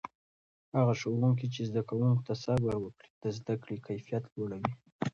هغه ښوونکي چې زده کوونکو ته صبر وکړي، د زده کړې کیفیت لوړوي.